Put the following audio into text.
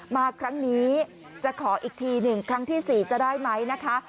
มาครั้งนี้จะขออีกทีหนึ่งครั้งที่๔จะได้ไหมนะคะ